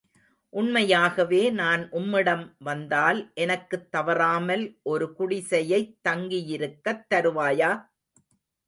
உண்மையாகவே நான் உம்மிடம் வந்தால் எனக்குத் தவறாமல் ஒரு குடிசையைத் தங்கியிருக்கத் தருவாயா?